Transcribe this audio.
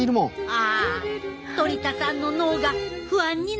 あトリ田さんの脳が不安になっていく！